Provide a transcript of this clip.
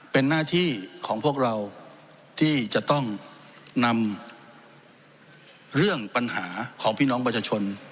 เป็นหน้าที่ของพวกเราที่จะต้องนำเรื่องปัญหาของพี่น้องประชาชน